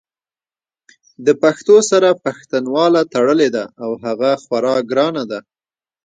د پښتو سره پښتنواله تړلې ده او هغه خورا ګرانه ده!